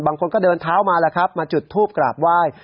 บางคนก็เดินเท้ามาแล้วครับมาจุดทูปกราบไหว้